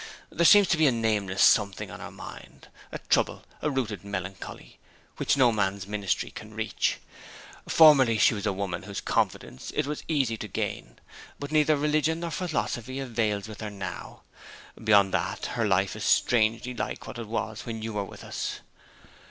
There seems to be a nameless something on her mind a trouble a rooted melancholy, which no man's ministry can reach. Formerly she was a woman whose confidence it was easy to gain; but neither religion nor philosophy avails with her now. Beyond that, her life is strangely like what it was when you were with us.'